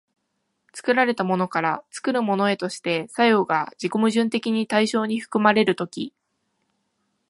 作られたものから作るものへとして作用が自己矛盾的に対象に含まれる時、